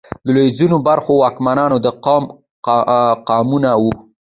د لوېدیځو برخو واکمنان د کوم قامونه وو؟